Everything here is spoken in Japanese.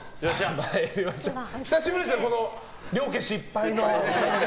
久しぶりですね、両家失敗の。